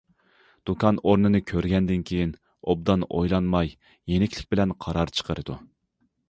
دۇكان ئورنىنى كۆرگەندىن كېيىن، ئوبدان ئويلانماي، يېنىكلىك بىلەن قارار چىقىرىدۇ.